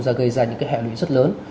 và gây ra những hẹo lụy rất lớn